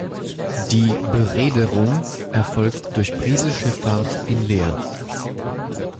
Die Bereederung erfolgt durch Briese Schiffahrt in Leer.